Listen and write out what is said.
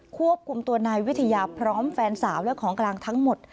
ควบคุมตัวนายวิทยาพร้อมแฟนสาวและของกลางทั้งหมด